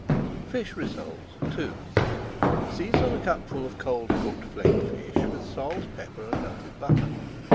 FISH RISSOLES II Season a cupful of cold cooked flaked fish with salt, pepper, and melted butter.